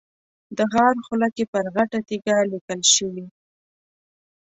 د غار خوله کې پر غټه تیږه لیکل شوي.